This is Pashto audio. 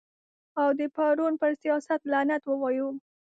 او د پرون پر سیاست لعنت ووایو.